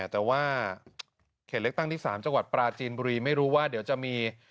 แต่ว่าเขตเลือกตั้งที่๓จังหวัดปราจีนบุรีไม่รู้ว่าเดี๋ยวจะมี